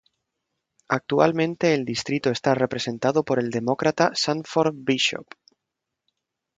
Actualmente el distrito está representado por el Demócrata Sanford Bishop.